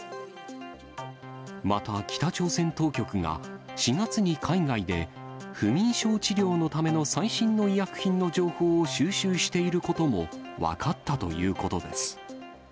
また北朝鮮当局が、４月に海外で不眠症治療のための最新の医薬品の情報を収集していることも、分かったということです。